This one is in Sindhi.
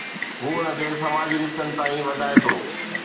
هو ان کي سماجي رشتن تائين وڌائي ٿو.